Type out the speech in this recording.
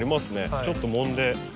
ちょっともんで。